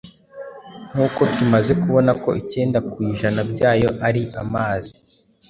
Nkuko tumaze kubona ko icyenda kujana byayo ari amazi,